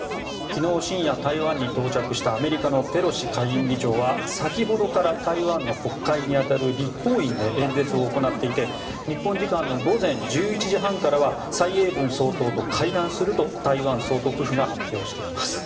昨日深夜台湾に到着したアメリカのペロシ下院議長は先ほどから台湾の国会に当たる立法院で演説を行っていて日本時間の午前１１時半からは蔡英文総統と会談すると台湾総督府が発表しています。